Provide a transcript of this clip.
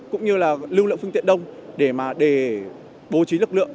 cũng như lưu lượng phương tiện đông để bố trí lực lượng